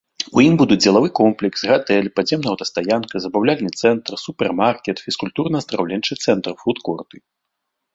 У ім будуць дзелавы комплекс, гатэль, падземная аўтастаянка, забаўляльны цэнтр, супермаркет, фізкультурна-аздараўленчы цэнтр, фуд-корты.